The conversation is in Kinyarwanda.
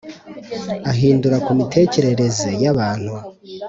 ahindura ku mitekerereze y’abantu